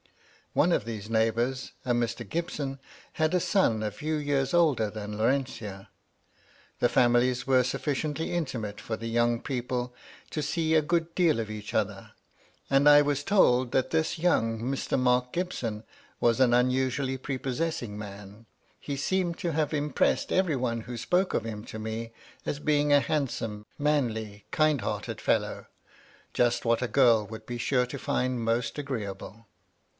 One of these neighbours, a Mr. Gibson, had a son a few years older than Laurentia. The families were sufficiently intimate for the young people to see a good deal of each other: and I was told that this young Mr. Mark Gibson was an unusually prepossess ing man (he seemed to have impressed every one who spoke of him to me as being a handsome, manly, kind hearted fellow), just what a girl would be sure to find most agreeable.